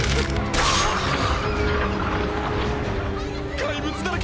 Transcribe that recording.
怪物だらけ！！